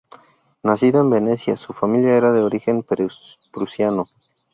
Nacido en Venecia, su familia era de origen prusiano.